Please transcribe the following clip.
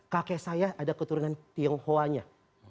kakek saya ada keturunan tionghoa nya